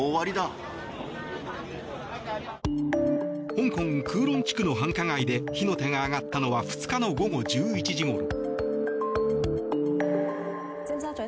香港・九龍地区の繁華街で火の手が上がったのは２日の午後１１時ごろ。